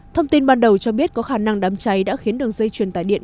thông tin ban đầu cho biết có khả năng đám cháy đã khiến đường dây truyền tải điện